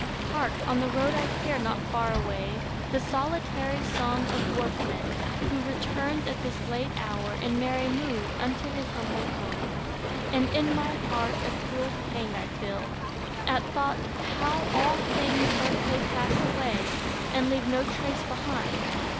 Hark, on the road I hear, Not far away, the solitary song Of workman, who returns at this late hour, In merry mood, unto his humble home; And in my heart a cruel pang I feel, At thought, how all things earthly pass away, And leave no trace behind.